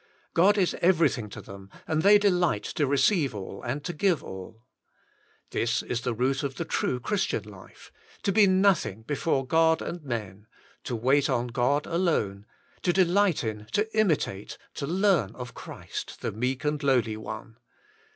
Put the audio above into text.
God is everything to them, and they delight to receive all and to give all. This is the root of the true Christian life: to be nothing before God and men; to wait on God alone; to delight in, to imitate, to learn of Christ, the Meek and Lowly One.